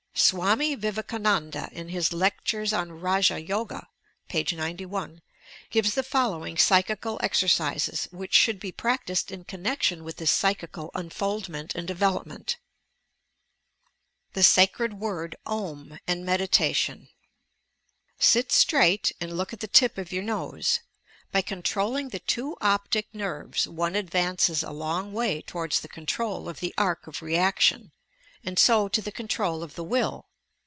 Swami Vivekananda in his "Lectures on Raja Toga" (p. 91), gives the following psychical exercises which should be practised in connection with this psychical un foldment and development :— THE SACRED WORD "om" AND MEDITATION "Sit straight, and look at the tip of your nose. By controlling the two optic nerves one advances a long way towards the control of the arc of reaction, and so to the control of the will.